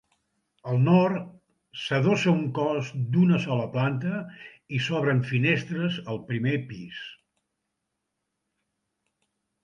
Al nord s'adossa un cos d'una sola planta i s'obren finestres al primer pis.